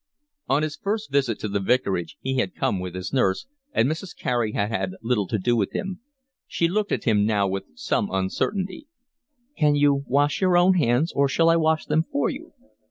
On his first visit to the vicarage he had come with his nurse, and Mrs. Carey had had little to do with him. She looked at him now with some uncertainty. "Can you wash your own hands, or shall I wash them for you?"